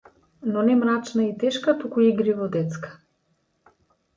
Но не мрачна и тешка, туку игриво детска.